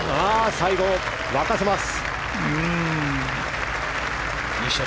最後、沸かせます！